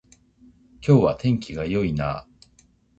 今日は天気が良いなあ